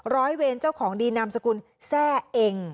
ร้อยเวรเจ้าของดีนามสกุลแซ่เอง